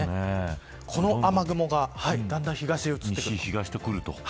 この雨雲がだんだん東に移ってきます。